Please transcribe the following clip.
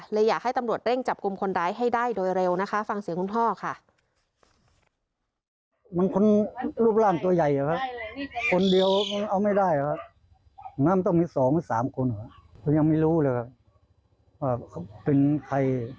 อยากให้ตำรวจเร่งจับกลุ่มคนร้ายให้ได้โดยเร็วนะคะฟังเสียงคุณพ่อค่ะ